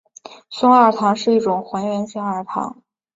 松二糖是一种还原性二糖。